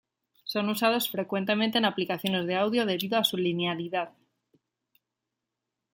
Son usados frecuentemente en aplicaciones de audio debido a su linealidad.